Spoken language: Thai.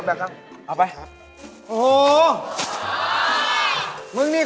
มีคนกินหรือเปล่า